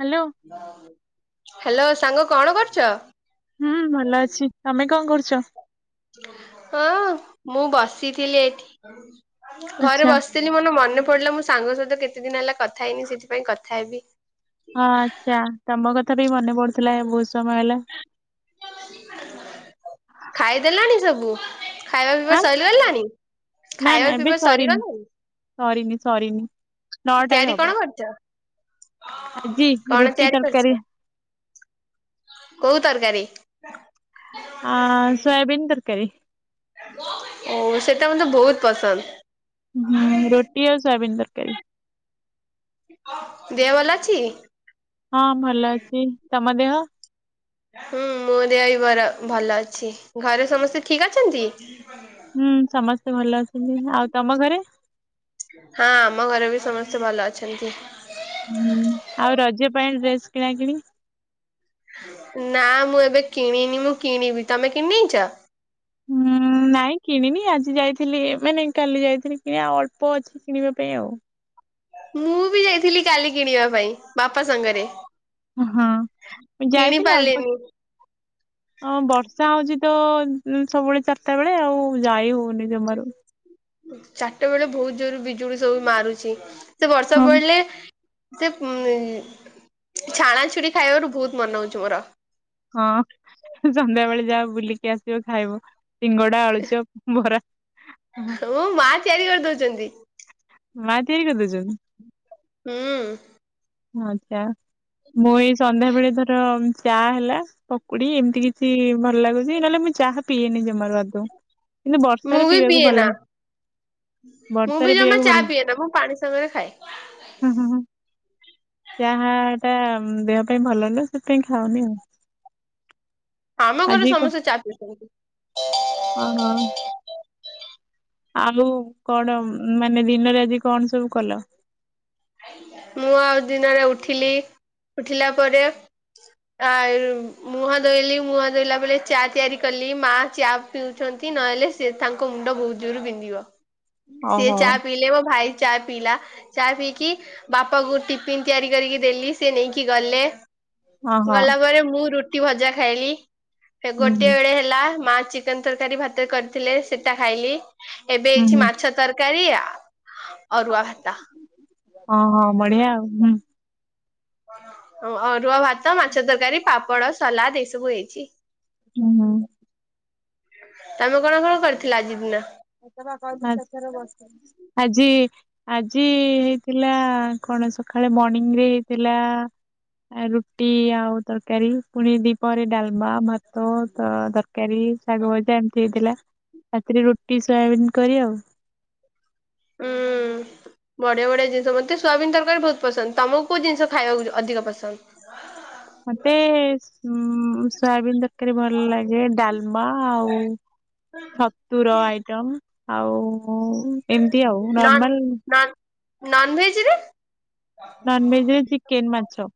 Hello. Hello ସାଙ୍ଗ କଣ କରୁଛ? ହୁଁ ଭଲ ଅଛି ତମେ କଣ କରୁଛ? ହଁ ମୁଁ ବସିଥିଲି ଏଠି ଘରେ ଆଚ୍ଛା ବସିି ତିନି ମୋନେ ମନେ ପଡିଲା ମୁଁ ସାଙ୍ଗ ସହିତ କେତେ ଦିନ ହେଲା କଥା ହେଇନି ସେଥିପାଇଁ କଥା ହେବି। ହଁ ଆଚ୍ଛା ତମ କଥା ବି ମନେ ପଡୁଥିଲା ବହୁତ ସମୟ ହେଲା। ଖାଇଦେଲାଣି ସବୁ। ଖାଇବା ପିଇବା ଆଁ ସଇଲିଗଲାଣି ନା ନା ଖାଇବା ଏବେ ପିଇବା ସରିନି ସରିଗଲାଣି। ସରିନି ସରିନି। ନଅଟାରେ ତିଆରିି ହବ କଣ କରିଚ? ଆଜି କଣ ରୁଟି ତିଆରି ତରକାରୀ କରିଚ? କୋଉ ତରକାରୀ? ଅ ସୋୟାାବୀନ୍ ତରକାରୀ। ଓ ସେଟା ମତେ ବହୁତ ପସନ୍ଦ। ହୁଁ ରୋଟି ଆଉ ସୟାବିିନ ତରକାରୀ। ଦେହ ଭଲ ଅଛି? ହଁ ଭଲ ଅଛି ତମ ଦେହ? ହୁଁ ମୋ ଦେହ ବି ବର ଭଲ ଅଛି। ଘରେ ସମସ୍ତେ ଠିକ ଅଛନ୍ତି? ହୁଁ ସମସ୍ତେ ଭଲ ଅଛନ୍ତି। ଆଉ ତମ ଘରେ? ହଁ ଆମ ଘରେ ବି ସମସ୍ତେ ଭଲ ଅଛନ୍ତି। ହୁଁ ଆଉ ରଜ ପାଇଁ ଡ୍ରେସ୍ କିଣା କିିଣି? ନା ମୁଁ ଏବେ କିଣିନି ମୁଁ କିଣିବି ତମେ କିଣିଦେଇଛ? ହୁଁ ନାଇଁ କିଣିନି ଆଜି ଯାଇଥିଲି ଏ ମାନେ କାଲି ଯାଇଥିଲି କିଣି ଆ ଅଳ୍ପ ଅଛି। କିଣିବା ପାଇଁ ଆଉ। ମୁଁ ବି ଯାଇଥିଲି କାଲି କିଣିବା ପାଇଁ ବାପା ସାଙ୍ଗରେ। ହଁ ମୁ କିଣି ଯାଇଥିଲି ଅଳ୍ପ ପାରିଲିନି। କି ହଁ ବର୍ଷା ହଉଚି ତ ସବୁବେଳେ ଚାରିଟା ବେଳେ ଆଉ ଯାଇ ହଉନି ଜମାରୁ। ଚାରିଟା ବେଳେ ବହୁତ ଜୋରୁରେ ବିଜୁଳି ସବୁ ମାରୁଚି। ସେ ବର୍ଷା ହଁ। ପଡିଲେ ସେ ଉ ଛାଣାଛୁଡି ଖାଇବାକୁ ବହୁତ ମନେ ହଉଚି ମୋର। ହଁ ସନ୍ଧ୍ୟା ବେଳେ ଯାଅ ବୁଲିକି ଆସିବ ଖାଇବ ସିଙ୍ଗଡା ଆଳୁଚପ୍। ବରା ହ। ହଁ ମା ତିଆରି କରିଦଉଚନ୍ତି। ମା ତିଆରି କରି ଦଉଚନ୍ତି? ହୁଁ। ଆଚ୍ଛା ମୁଇ ଏ ସନ୍ଧ୍ୟା ବେଳେ ଧର ଚା ହେଲା ପକୁଡି ଏମିତି କିଛି ଭଲ ଲାଗୁଚି। ନହେଲେ ମୁଁ ଚାହା ପିଇଏନି ଜମାରୁ ବାଦ କିନ୍ତୁ ମୁଁ ବର୍ଷାରେ ବି ପିଇବାକୁ ପିଏ ନା ଭଲ। ମୁଁ ବର୍ଷାରେ ବି ଜମା ପିଇବାକୁ ଚା ଭଲ ପିଏନା ମୁଁ ପାଣି ସାଙ୍ଗରେ ଖାଏ। ଅ ହଁ ହଁ। ଚାହା ଟା ଦେହ ପାଇଁ ଭଲ ନୁହେଁ ସେଥିପାଇଁ ଖାଉନି ଆଉ। ଆମ ଘରେ ଆଜି ସମସ୍ତେ ଚା ପିଉଛନ୍ତି। ଅ ହଁ। ଆଉ କଣ ମାନେ ଦିନରେ ଆଜି କଣ ସବୁ କଲ? ମୁଁ ଆଉ ଦିନରେ ଉଠିଲି ଉଠିଲା ପରେ ଆ ମୁହଁ ଧୋଇଲି। ମୁହଁ ଧୋଇଲା ବେଳେ ଚା ତିଆରି କଲି। ମା ଚା ପିଉଚନ୍ତି ନହେଲେ ସେ ତାଙ୍କ ମୁଣ୍ଡ ବହୁତ ଜୋରରୁ ବିନ୍ଧିବ। ସିଏ ଓହୋ ଚା ପିଇଲେ। ମୋ ଭାଇ ଚା ପିଇଲା। ଚା ପିଇକି ବାପା କୁ ଟିଫିନ ତିଆରି କରିକି ଦେଲି ସେ ନେଇକି ଗଲେ। ଓହୋ ଗଲା ପରେ ମୁଁ ରୁଟି ଭଜା ଖାଇଲି। ହୁଁ ଗୋଟେ ହୁଁ ବେଳେ ହେ ଲା ମା ଚିକେନ ତରକାରୀ ଭାତରେ କରିଥିଲେ, ସେଟା ଖାଇଲି। ଏବେ ହୁଁ ହେଇ ହୁଁ ମାଛ ତରକାରୀ, ଅରୁଆ ଭାତ। ହଁ ହଁ ବଢିଆ ଆଉ। ହଁ ଅରୁଆ ଭାତ, ମାଛ ତରକାରୀ, ପାପଡ, ସଲାଡ ଏଇ ସବୁ ହେଇଚି। ହୁଁ ହୁଁ। ତମେ କଣ କଣ କରିଥିଲ ଆଜି ଦିନ? ଆଜି ଆଜି ହେଇଥିଲା କଣ ସକାଳେ ମର୍ଣିଂ ରେ ହେଇଥିଲା ଆ ରୁଟି ଆଉ ତରକାରୀ ପୁଣି ଦିପହରେ ଡାଲମା ଭାତ ତ ତର ତରକାରୀ, ଶାଗ, ଭଜା ଏମିତି ହେଇଥିଲା। ରାତିରେ ରୁଟି ସୋୟାବିନ କରି ଆଉ। ଉଁ ବଢିଆଢିଆ ଜିନିଷ ମତେ ସୋୟାବିନ ତରକାରୀ ବୋହୁତ ପସନ୍ଦ। ତମକୁ କୋଉ ଜିନିଷ ଖାଇବାକୁ ଅଧିକ ପସନ୍ଦ? ମତେ ଉଁ ସୋୟାବିନ ତ ରକାରୀ ଭଲ ଲାଗେ ଡାଲମା ଆଉ ଛତୁର ଆଇଟମ ଆଉ। ଏମିତି ଆଉ ନର୍ମାଲ ନ-ନ-ନନ୍ ଭେଜ ନା ନନ୍ ଭେଜରେ ଚିକେନ୍ ମାଛ।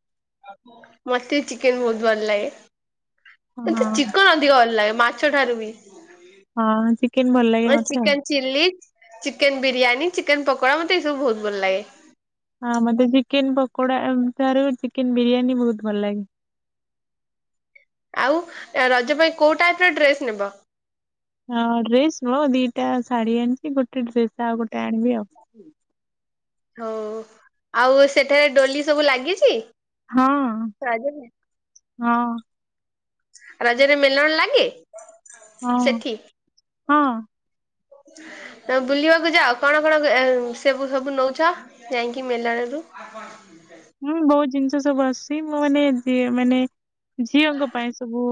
ମତେ ଚିକେନ ବୋହୁତ ଭଲ ଲାଗେ। ହଁ ମତେ ଚିକେନ ଅଧିକ ଭଲ ଲାଗେ ମାଛ ଠାରୁ ବି। ହଁ ଚି ମତେ chicken chilli, chicken biryani, chicken pakora ମତେ ଏସବୁ ବୋହୁତ ଭଲ ଲାଗେ। ହଁ ମତେ ଚିକେନ ପକୋଡା ଠାରୁ ଚିକେନ ବିରିୟାନୀ ବୋହୁତ ଭଲ ଲାଗେ। ଆଉ ରଜ ପାଇଁ କୋଉ ଟାଇପ ର ଡ୍ରେସ ନେବ? ହଁ ଡ୍ରେସ ନୁହଁ ଦିଇଟା ଶାଢୀ ଆଣିଚି ଗୋଟେ ଡ୍ରେସ ଆଉ ଗୋଟେ ଆଣିବି ଆଉ। ହୋଉ ଆଉ ସେଠାରେ ଡୋଲି ସବୁ ଲାଗିଚି? ହଁ ହଁ। ରଜରେ ମେଲଣ ଲାଗେ ହଁ ସେଠି? ହଁ। ବୁଲିବାକୁ ଯାଅ କଣ କଣ ଏ ସେବୁ ସବୁ ନୋଉଚ? ଯାଇଁକି ମେଲଣରୁ ହୁଁ ବୋହୁତ ଜିନିଷ ସବୁ ଆସୁଚି। ମୁଁ ମାନେ ଯିଏ ମାନେ ଝିଅଙ୍କ ପାଇଁ ସବୁ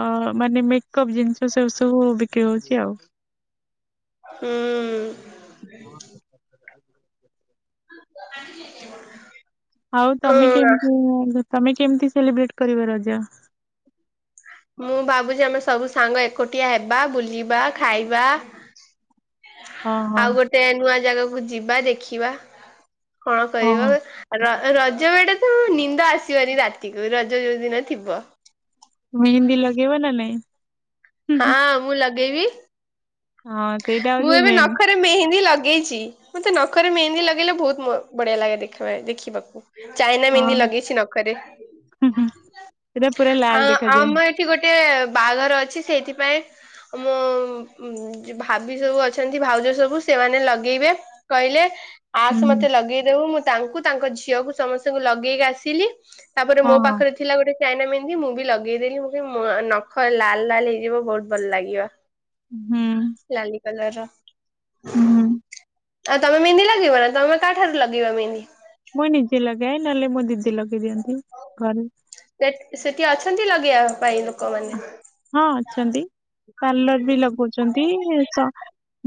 ଅ ମାନେ ମେକଅପ୍ ଜିନିଷ ସେ ସବୁ ବିକ୍ରି ହୋଉଚି ଆଉ। ହୁଁ। ଆଉ ତମେ ଉଁ କେମତି ତମେ କେମିତି ସେଲିବ୍ରେଟ କରିବ ରଜ? ମୁଁ ଭାବୁଚି ଆମେ ସବୁ ସାଙ୍ଗ ଏକୁଟିଆ ହେବା ବୁଲିବା ଖାଇବା ହଁ ଆଉ ହଁ ଗୋଟେ ନୂଆ ଜାଗାକୁ ଯିବା ଦେଖିବା। କଣ କରିବ? ହଁ ର-ରଜ ବେଳଟା ତ ନିନ୍ଦ ଆସିବନି ରାତିକୁ ରଜ ଯୋଉ ଦିନ ଥିବ। ମେହେନ୍ଦି ଲଗେଇବ ନା ନାଇଁ? ହୁଁ ହଁ ହୁଁ ମୁଁ ଲଗେଇବି। ହଁ ସେଇଟା ମୁଁ ହଉଛି ଏବେ ମେନ୍ ନଖ ରେ ମେହେନ୍ଦି ଲଗେଇଚି। ମତେ ନଖରେ ମେହେନ୍ଦି ଲଗେଇଲେ ବୋହୁତ ମ ବଢିଆ ଲାଗେ ଦେଖ ଦେଖିବାକୁ। ଚାଇନା ମେହନ୍ଦି ହଁ ଲଗେଇଚି ନକରେ ହୁଁ ହୁଁ ସେଇଟା ପୁରା ଆ ଲାଲ ଦେଖାଯାଏ ଆମ ଏ ସେଠି ଗୋଟେ ବାହାଘର ଅଛି ସେଇଥିପାଇଁ ମୋ ଭାବି ସବୁ ଅଛନ୍ତି। ଭାଉଜ ସବୁ ସେମାନେ ଲଗେଇବେ କହିଲେ। ହୁଁ ଆସେ ମତେ ଲଗେଇଦବୁ। ମୁଁ ତାଙ୍କୁ ତାଙ୍କ ଝିଅକୁ ସମସ୍ତଙ୍କୁ ଲଗେଇକି ଆସିଲି। ତାପରେ ହଁ ମୋ ହଁ ପାଖରେ ଥିଲା ଗୋଟେ ଚାଇନା ମେହେନ୍ଦି ମୁଁ ବି ଲଗେଇଦେଲି। ମୋ ନଖ ଲାଲ ଲାଲ ହେଇଯିବ ବୋହୁତ ଭଲ ଲାଗିବ। ହୁଁ। ଲାଲି କଲର ର। ହୁଁ ହୁଁ। ଆଉ ତମେ ମେହେନ୍ଦି ଲାଗେଇବ ନା ତମେ କାହା ଠାରୁ ଲଗେଇିବ ମେହେନ୍ଦି? ମୁଁ ନିଜେ ଲଗାଏ ନହେଲେ ମୋ ଦିଦି ଲଗେଇ ଦିଅନ୍ତି ଘରେ। ସେ-ସେଠି ଅଛନ୍ତି ଲଗେଇବା ପାଇଁ ଲୋକମାନେ? ହଁ ଅଛନ୍ତି। ପାର୍ଲର ବି ଲଗୋଉଚନ୍ତି ସ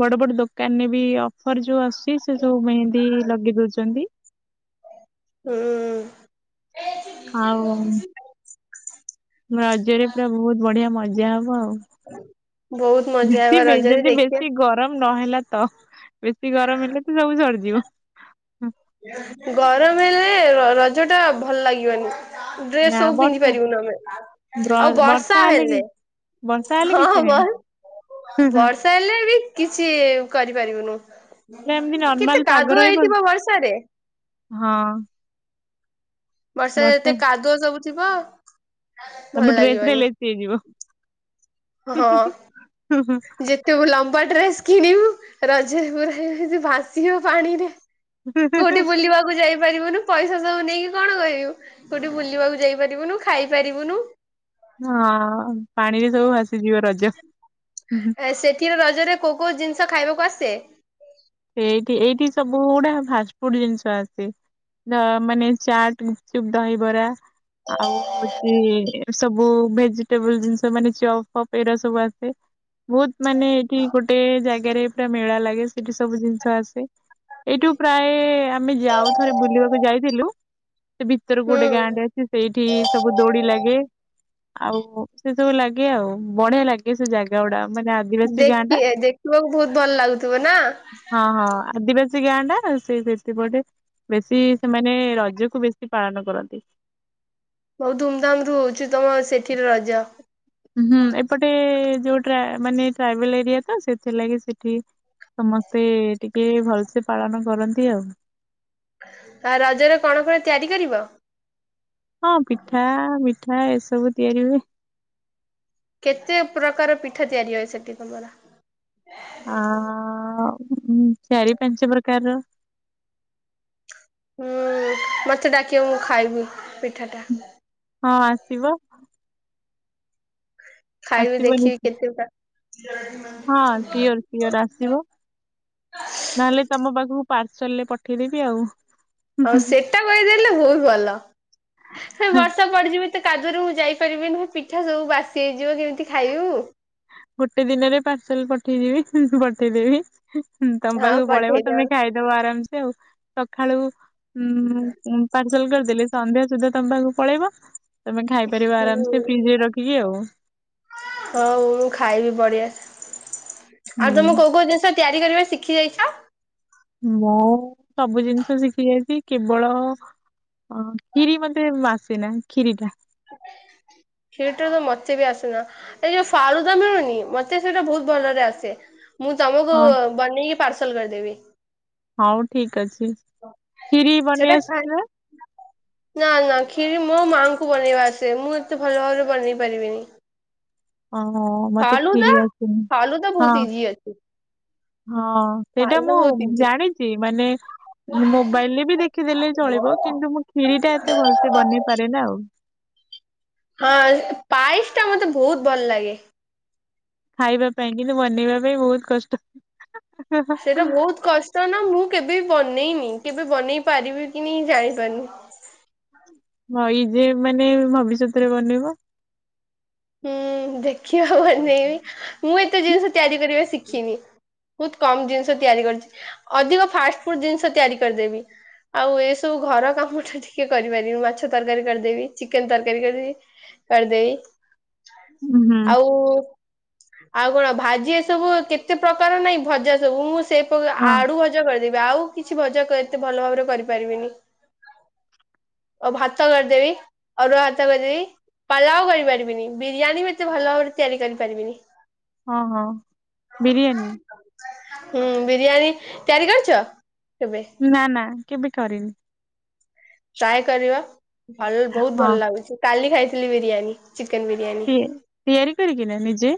ବଡ ବଡ ଦୋକାନରେ ବି ଅଫର ଯୋଉ ଆସୁଚି ସେ ସବୁ ମେହେନ୍ଦି ଲଗେଇ ଦୋଉଚନ୍ତି। ହୁଁ। ଆଉ ରଜରେ ପୁରା ବୋହୁତ ବଢିଆ ମଜା ହବ ଆଉ। ବହୁତ ମଜା ହବ ଯଦି ବେ ରଜରେ ଯଦି ଦେଖିବା ବେସି ଗରମ ନହେଲା ତ, ବେଶୀ ଗରମ ହେଲେ ତ ସବୁ ସରିଯିବ। ଗରମ ହେଲେ ରଜଟା ଭଲ ଲାଗିବନି। ଡ୍ରେସ୍ ନା ସବୁ ପିନ୍ଧି ବର୍ଷା ପାରିବୁନୁ ଆମେ। ଆଉ ବର୍ଷା ହେଲେ ବର୍ଷା ହେଲେ କିଛି ହଁ ନାହିଁ। ବଲ। ହୁଁ- ହୁଁ। ବର୍ଷା ହେଲେ ବି କିଛି କରିପାରିବୁନୁ, ପୁରା ଏମିତି କେତେ ନର୍ମାଲ ପାଗ କାଦୁଅ ରହିବ ହେଇଥିବ ବର୍ଷ ରେ। ହଁ। ବର୍ଷାରେ ଏତେ ବର୍ଷା କାଦୁଅ ସବୁ ଥିବ। ଭଲ ଆମ ଡ୍ରେସ୍ ରେ ଲାଗିବନି ଲେସି ହେଇଯିବ। ହୁଁ - ହୁଁ। ଯେତେବେଳେ ଲମ୍ବା ଡ୍ରେସ କିଣିବୁ ରଜରେ ପୁରା ଭାସିବ ପାଣିରେ। ହୁଁ କୋଉଠି ହୁଁ ହୁଁ। ବୁଲିବାକୁ ଯାଇ ପାରିବୁନୁ। ପଇସା ସବୁ ନେଇକି କଣ କରିବୁ, କୋଉଠି ବୁଲିବାକୁ ଯାଇପାରିବୁନୁ ଖାଇ ପାରିବୁନୁ? ହଁ ପାଣିରେ ସବୁ ଭାସିଯିବ ରଜ। ହୁଁ ହୁଁ ସେଥିରେ ରଜରେ କୋଉ କୋଉ ଜିନିଷ ଖାଇବାକୁ ଆସେ? ସେଇଠି, ଏଇଠି ସବୁ ଗୁଡା ଫାଷ୍ଟ ଫୁଡ ଜିନିଷ ଆସେ। ଦ ମାନେ ଚାଟ୍, ଗୁପଚୁପ୍, ଦହିବରା ଆଉ ହଉଚି ସବୁ ଭେଜିଟେବଲ ଜିନିଷ ମାନେ ଚପ୍ ଫପ୍ ଏଇରା ସବୁ ଆସେ। ବହୁତ ମାନେ ଏଇଠି ଗୋଟେ ଜାଗାରେ ପୁରା ମେଳା ଲାଗେ ସେଠି ସବୁ ଜିନିଷ ଆସେ, ଏଇଠୁ ପ୍ରାୟ ଆମେ ଯାଉ ଥରେ ବୁଲିବାକୁ ଯାଇଥିଲୁ ସେ ଭିତର ଗୋଟେ ହୁଁ ଗାଁଟେ ଅଛି, ସେଇଠି ସବୁ ଦୋଳି ଲାଗେ। ଆଉ ସେ ସବୁ ଲାଗେ ଆଉ, ବଢିଆ ଲାଗେ ସେ ଜାଗା ଗୁଡା ମାନେ ଆ ଦେଖିଆ ଦେଖିବାକୁ ବହୁତ ଭଲ ଲାଗୁଥିବ ନା? ହଁ- ହଁ ଆଦିବାସୀ ଗାଁ ଟା, ସେ ସେଥିପଟେ ବେଶୀ ସେମାନେ ରଜକୁ ବେଶୀ ପାଳନ କରନ୍ତି। ବହୁତ ଧୁମଧାମରୁ ହଉଚି, ତମ ସେଠିରେ ରଜ। ହୁଁ ଏପଟେ ଯୋଉ ଟ୍ରା ମାନେ ଟ୍ରାଇବେଲ ଏରିଆ ତ, ସେଥିଲାଗି ସେଠି ସମସ୍ତେ ଟିକେ ଭଲସେ ପାଳନ କରନ୍ତି ଆଉ। ଆଉ ରଜରେ କଣ କଣ ତିଆରି କରିବ? ହଁ ପିଠା, ମିଠା ଏସବୁ ତିଆରି ହୁଏ। କେତେ ପ୍ରକାର ପିଠା ତିଆରି ହଏ, ସେଠି ତମର? ଅ- ହଁ ଚାରି ପାଞ୍ଚ ପ୍ରକାରର ହୁଁ ମତେ ଡାକିବ, ମୁଁ ଖାଇବି ପିଠାଟା। ହଁ ଆସିବ। ଖାଇବି, ଆସିବନି ଦେଖିବି କେତେଟା? ହଁ ସିଓର ସିଓର ଆସିବ। ନହେଲେ ତମ ପାଖକୁ ପାର୍ସଲରେ ପଠେଇଦେବି ଆଉ। ହଉ ସେଟା କରିଦେଲେ ବହୁତ୍ ଭଲ। ସେ ବର୍ଷା କୁଆଡେ ଯିବ ତ କାଦୁରେ ମୁଁ ଯାଇପାରିବିନି, ମୁଁ ପିଠା ସବୁ ବାସି ହେଇଯିବ। କେମିତି ଖାଇବୁ? ଗୋଟେ ଦିନରେ ପାର୍ସଲ ପଠେଇଦେବି ପଠେଇଦେବି। ତମ ହଁ ପାଖକୁ ପଳେଇବ ତମେ ପଠେଇଦବ ଖାଇଦବ ଆରାମସେ ଆଉ। ସଖାଳୁ ହୁଁ ପାର୍ସଲ କରିଦେଲି ସନ୍ଧ୍ୟା ସୁଦ୍ଧା ତମ ପାଖକୁ ପଳେଇବ, ତମେ ଖାଇ କରିବ ଆରାମ୍ ସେ ହୁଁ ଫ୍ରିଜରେ ରଖିକି ଆଉ। ହଉ ମୁଁ ଖାଇବି ବଢିଆ, ହୁଁ ଆଉ ତମେ କୋଉ କୋଉ ଜିନିଷ ତିଆରି କରିବା ଶିଖି ଯାଇଛ? ମୁଁ ସବୁ ଜିନିଷ ଶିଖି ଯାଇଛି, କେବଳ ଓ କ୍ଷୀରି ମତେ ଆସେନା କ୍ଷୀରିଟା। ସେଇଟା ବି ମତେ ବି ଆସେନା। ଏଇ ଯୋଉ ଫାଲୁଦା ମିଳୁନି, ମତେ ସେଇଟା ବହୁତ ଭଲରେ ଆସେ। ମୁଁ ତମକୁ ହଁ ବନେଇକି ପାର୍ସଲ କରିଦେବି। ହଉ ଠିକଅଛି। ସେଟା ଖାଁ ନା ନା କ୍ଷୀରି ମୋ ମାଆଙ୍କୁ ବନେଇବା ଆସେ ମୁଁ ଏତେ ଭଲ ଭାବରେ ବନେଇ ପାରିବିନି। ଓହୋ ମତେ ଫାଲୁଦା କ୍ଷୀରି ଅସିନି ଫାଲୁଦା ହଁ। ବହୁତ ଇଜି ଅଛି ହଁ ସେଇଟା ଫାଲୁଦା ମୁଁ ବହୁତ ଇଜି। ଜାଣିଚି ମାନେ ଉ ମୋବାଇଲରେ ବି ଦେଖିଦେଲେ ଚଳିବ କିନ୍ତୁ ମୁଁ କ୍ଷିରୀଟା ଏତେ ଭଲସେ ବନେଇ ପାରେନା ଆଉ। ହଁ ପାଇସଟା ମତେ ବୋହୁତ ଭଲଲାଗେ। ଖାଇବା ପାଇଁ କିନ୍ତୁ ବନେଇବା ପାଇଁ ବୋହୁତ କଷ୍ଟ। ସେଇଟା ବୋହୁତ କଷ୍ଟ ନା ମୁଁ କେବେବି ବନେଇନି କେବେ ବନେଇ ପାରିବି କି ନି ଜାଣିପାରୁନି। ଭଇ ଯେ ମାନେ ଭବିଷ୍ୟତରେ ବନେଇବ। ହୁଁ ଦେଖିବା ବନେଇବି ମୁଁ ଏତେ ହୁଁ ଜିନଷ ତିଆରି କରିବା ଶିଖିନି। ବୋହୁତ କମ ଜିନଷ ତିଆରି କରଚି ଅଧିକ ଫାଷ୍ଟଫୁଡ ଜିନଷ ତିଆରି କରଦେବି। ଆଉ ଏସବୁ ଘର କାମଟା ଟିକେ କରିପାରିବି ମାଛ ତରକାରୀ କରଦେବି ଚିକେନ ତରକାରୀ କରିବି। କରିଦେବି ହୁଁ ଆଉ ଆଉ କଣ ଭାଜି ଏସବୁ କେତେ ପ୍ରକାର ନାଇଁ ଭଜାସବୁ ମୁଁ ସେ ସେପକା ହଁ ଆଡୁ ଭଜା କରିଦେବି ଆଉ କିଛି ଭଜା କ ଏତେ ଭଲ ଭାବରେ କରିପାରିବିନି। ଆଉ ଭାତ କରିଦେବି ଅରୁଆ ଭାତ କରିଦେବି ପାଲା ଆଉ କରିପାରିବିନି। ବିରିୟାନୀ ବି ଏତେ ଭଲ ଭାବରେ ତିଆରି କରିପାରିବିନି। ହଁ ହଁ ବିରିୟାନୀ। ହୁଁ ବିରିୟାନୀ ତିଆରି କରିଚ କେବେ। ନା ନା କେବେ କରିନି। ଟ୍ରାଏ କରିବ ଭଲ ବୋହୁତ ହଁ ଭଲ ଲାଗୁଚି କାଲି ଖାଇଥିଲି ବିରିୟାନୀ ଚିକେନ ବିରିୟାନୀ। କିଏ ତିଆରି କରିକିନା ନିଜେ।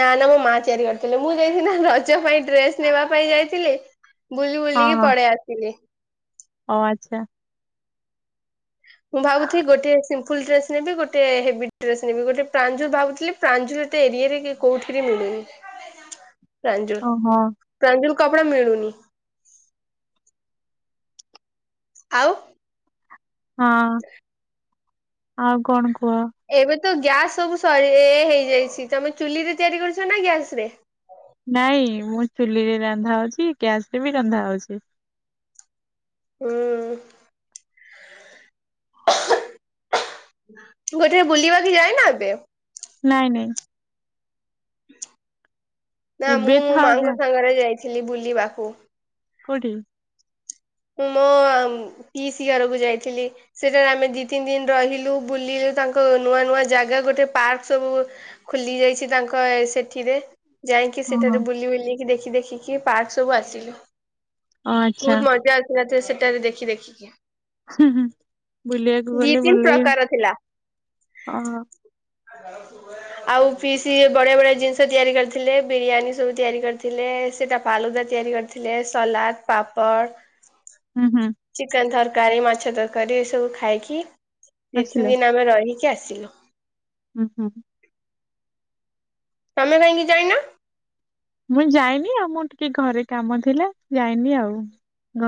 ନା ନା ମୋ ମାଆ ତିଆରି କରିଥିଲେ ମୁଁ ଯାଇଥିଲି ନା ରଜ ପାଇଁ ଡ୍ରେସ ନେବାପାଇଁ ଯାଇଥିଲି। ବୁଲି ହଁ ବୁଲିକି ହଁ ପଳେଆସିଲି। ଓ ଆଚ୍ଛା। ମୁଁ ଭାବୁଥି ଗୋଟିଏ ସିମ୍ପୁଲ୍ ଡ୍ରେସ୍ ନେବି ଗୋଟିଏ ହେବି ଡ୍ରେସେ ନେବି ଗୋଟେ ପ୍ରାଞ୍ଜୁ ଭାବୁଥୁଲି ପ୍ରାଞ୍ଜୁଲେଟେ ଏରିଆରେ କି କୋଉଠିରେ ମିଳୁନି। ପ୍ରାଞ୍ଜୁଲ୍ ଓହୋ ପ୍ରଞ୍ଜୁଲ୍ କପଡା ମିଳୁନି। ଆଉ ହଁ ଆଉ କଣ କୁହ? ଏବେ ତ ଗ୍ୟାସ ସବୁ ସରି ଏ ହେଇଯାଇଛି ତମେ ଚୁଲିରେ ତିଆରି କରୁଛ ନା ଗ୍ୟାସରେ? ନାଇଁ ମୁଁ ଚୁଲିରେ ରାନ୍ଧା ହୋଉଚି ଗ୍ୟାସରେ ବି ରନ୍ଧା ହୋଉଛି। ହୁଁ। ଗୋଟିରେ ବୁଲିବା କି ଯାଇନା ଏବେ? ନାଇଁ ନାଇଁ। ନା ମୁଁ ଏବେ ମୋ ଥାଉ ଯା ମାଆଙ୍କ ସାଙ୍ଗରେ ଯାଇଥିଲି ବୁଲିବାକୁ। କୋଉଠିକୁ? ମୁଁ ମୋ ପିଇସି ଘରକୁ ଯାଇଥିଲି। ସେଠାରେ ଆମେ ଦିତିନ ଦିନ ରହିଲୁ ବୁଲିଲୁ ତାଙ୍କ ନୂଆନୂଆ ଜାଗା ଗୋଟେ ପାର୍କ ସବୁ ଖୋଲିଯାଇଛି ତାଙ୍କ ଏ ସେଠିରେ। ଯାଇଁକି ଓହୋ ସେଠାରେ ବୁଲିବୁଲିକି ଦେଖି ଦେଖିକି ପାର୍କ ସବୁ ଆସିଲୁ। ଓ ଆଚ୍ଛା ବୋହୁତ ମଜା ଆସିଲା ଯେ ସେଠାରେ ଦେଖି ଦେଖିକି। ହୁଁ ହୁଁ ବୁଲିବାକୁ ଦି ଗଲେ ତିନି ଭଲଲାଗେ ଅହ। ଆ ଜ ଆଉ ପିଇସି ବଢିଆ ବଢିଆ ଜିନିଷ ତିଆରି କରିଥିଲେ ବିରିୟାନୀ ସବୁ ତିଆରି କରିଥିଲେ। ଥିଲେ ସେଟା ପାଳୁଦା ତିଆରି କରିଥିଲେ ସଲାଦ, ପାପଡ଼। ଉଁ ହୁଁ। ଚିକେନ ତରକାରୀ, ମାଛ ତରକାରୀ, ଏସବୁ ଖାଇକି ଦିତିନି ଆସିଲ ଦିନ ଆମେ ରହିକି ଆସିଲୁ। ଉଁ ହୁଁ। ତମେ କାହିଁକି ଯାଇନ? ମୁଁ ଯାଇନି ଆଉ ମୁଁ ଟିକେ ଘରେ କାମ ଥିଲା ଯାଇନି ଆଉ।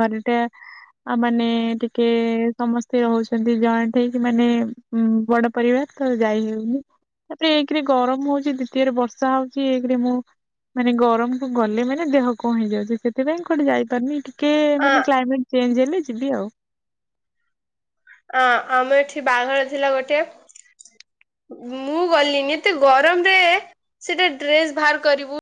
ଘରେ ଟା ଆଉ ମାନେ ଟିକେ ସମସ୍ତେ ରହୁଛନ୍ତି। ଜଏଣ୍ଟ ହେଇକି ମାନେ ହୁଁ ବଡ ପରିବାର ତ ଯାଇ ହୋଉନି। ତାପରେ ଏକେରେ ଗରମ ହଉଛି। ଦ୍ଵିତୀୟରେ ବର୍ଷା ହଉଛି। ଏକେରେ ମୁଁ ମାନେ ଗରମ କ ଗଲେ ମାନେ ଦେହ କଣ ହେଇଯାଉଛି। ସେଥିପାଇଁ କୁଆଠେ ଯାଇପାରୁନି। ଟିକେ ଆ ମାନେ କ୍ଲାଇମେଟ ଚେଞ୍ଜ ହେଲେ ଯିବି ଆଉ। ଅ ଆମ ଏଠି ବାହାଘର ଥିଲା ଗୋଟେ। ମୁଁ ଗଲିଣିି ଏତେ ଗରମ ରେ ସେଟା ଡ୍ରେସ ବାହାର କରିବୁ।